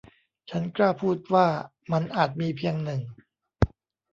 ฉันกล้าพูดว่ามันอาจมีเพียงหนึ่ง